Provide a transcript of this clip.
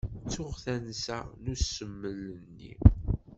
Ttuɣ tansa n usmel-nni.